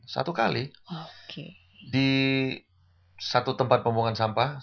satu kali di satu tempat pembuangan sampah